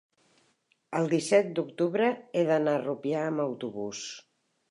el disset d'octubre he d'anar a Rupià amb autobús.